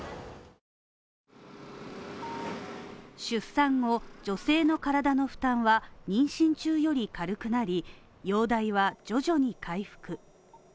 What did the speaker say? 出産後、女性の体の負担は妊娠中より軽くなり容体は徐々に回復。